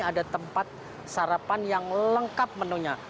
ada tempat sarapan yang lengkap menunya